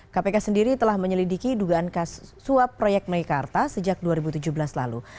kpk sendiri telah menyelidiki dugaan suap proyek meikarta sejak dua ribu tujuh belas lalu